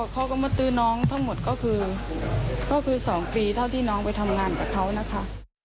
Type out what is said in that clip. เขาก็มาตื้อน้องทั้งหมดก็คือ๒ปีเท่าที่น้องไปทำงานกับเขานะคะ